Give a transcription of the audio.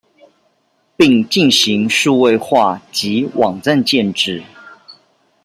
並進行數位化及網站建置